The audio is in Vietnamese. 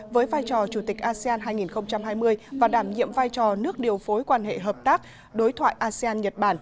với vai trò chủ tịch asean hai nghìn hai mươi và đảm nhiệm vai trò nước điều phối quan hệ hợp tác đối thoại asean nhật bản